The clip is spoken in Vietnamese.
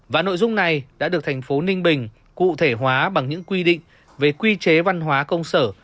và nội dung này đã được thành phố ninh bình cụ thể hóa bằng những quy định về quy chế văn hóa công sở